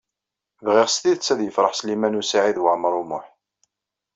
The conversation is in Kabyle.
Bɣiɣ s tidet ad yefṛeḥ Sliman U Saɛid Waɛmaṛ U Muḥ.